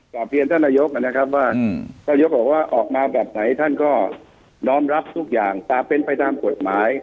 เพียงท่านนายกนะครับว่าท่านยกบอกว่าออกมาแบบไหนท่านก็น้อมรับทุกอย่างแต่เป็นไปตามกฎหมาย